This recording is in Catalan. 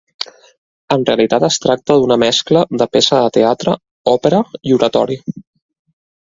En realitat es tracta d'una mescla de peça de teatre, òpera i oratori.